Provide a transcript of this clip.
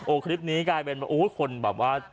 โอ้โฮคลิปนี้กลายเป็นโอ้โฮคนแบบว่า